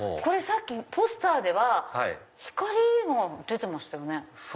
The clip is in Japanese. これさっきポスターでは光が出てましたよね。